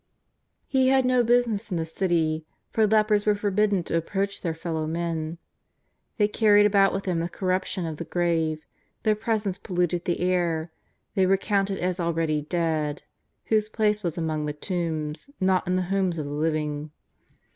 He had no business in the city, for lepers were for bidden to approach their fellow men. They carried about with them the corruption of the grave, their presence polluted the air ; they were counted as already dead, whose place was among the tombs, not in the homes of the living.